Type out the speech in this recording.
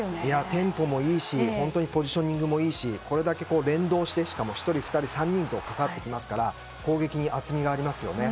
テンポもいいしポジショニングもいいしこれだけ連動して１人、２人、３人とかかってきますから攻撃に厚みがありますよね。